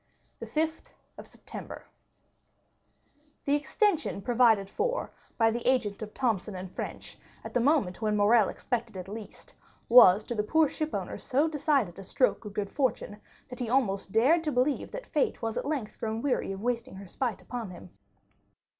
The Fifth of September The extension provided for by the agent of Thomson & French, at the moment when Morrel expected it least, was to the poor shipowner so decided a stroke of good fortune that he almost dared to believe that fate was at length grown weary of wasting her spite upon him.